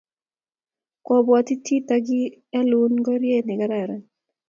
Kwobwoti takialun ngoryet ne kararan